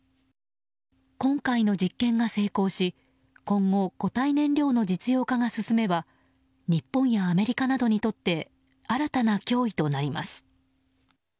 今回の実験が成功し今後、固体燃料の実用化が進めば日本やアメリカなどにとって新たな脅威となります。